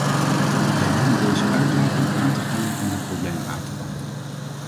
Wij dienen deze uitdaging aan te gaan en dit probleem aan te pakken.